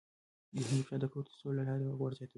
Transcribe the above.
ذهني فشار د کورتیسول له لارې غوړ زیاتوي.